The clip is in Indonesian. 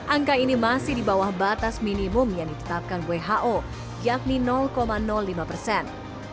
angka ini masih di bawah batas minimum yang ditetapkan who yakni lima persen